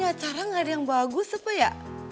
ini acara gak ada yang bagus apa ya